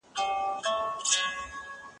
واصله په نړۍ کي بل ځای نه و دسکون